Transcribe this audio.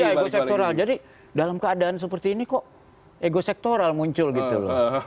iya ego sektoral jadi dalam keadaan seperti ini kok ego sektoral muncul gitu loh